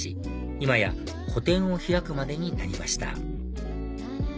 今や個展を開くまでになりました